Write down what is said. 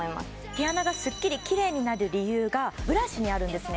毛穴がスッキリキレイになる理由がブラシにあるんですね